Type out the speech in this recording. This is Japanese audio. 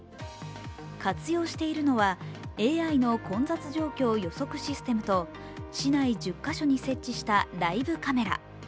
活用しているのはＡＩの混雑状況予測システムと市内１０か所に設置したライブカメラ。